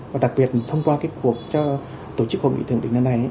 và đặc biệt thông qua cái cuộc cho tổ chức hội nghị thượng đỉnh năm nay ấy